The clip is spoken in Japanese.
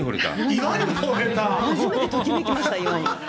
初めてときめきました、岩に。